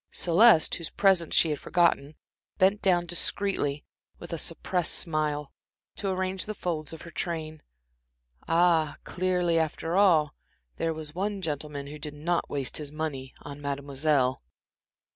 Celeste, whose presence she had forgotten, bent down discreetly, with a suppressed smile, to arrange the folds of her train. Ah, clearly, after all, there was one gentleman who did not waste his money on Mademoiselle.